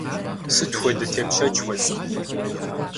Сыт хуэдэ тепщэч уэстынур?